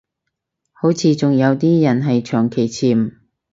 好似仲有啲人係長期潛